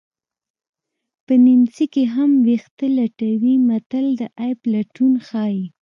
په نیمڅي کې هم ویښته لټوي متل د عیب لټون ښيي